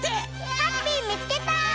ハッピーみつけた！